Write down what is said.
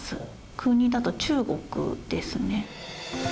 国だと中国ですね。